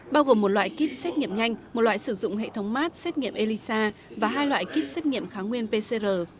bao gồm một loại kit xét nghiệm nhanh một loại sử dụng hệ thống mát xét nghiệm elisa và hai loại kit xét nghiệm kháng nguyên pcr